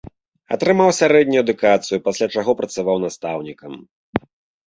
Атрымаў сярэднюю адукацыю, пасля чаго працаваў настаўнікам.